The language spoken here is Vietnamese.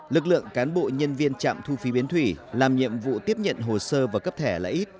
lực lượng cán bộ nhân viên trạm thu phí bến thủy làm nhiệm vụ tiếp nhận hồ sơ và cấp thẻ là ít